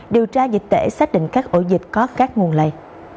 điều tra dịch tễ xác định các ổ dịch có các nguồn lây